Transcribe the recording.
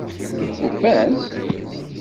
Ufant-t?